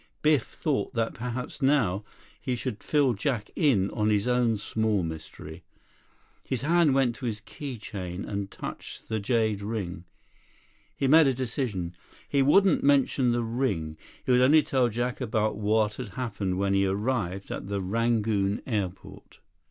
Biff thought that perhaps now he should fill Jack in on his own small mystery. His hand went to his key chain and touched the jade ring. He made a decision. He wouldn't mention the ring. He would only tell Jack about what had happened when he arrived at the Rangoon airport.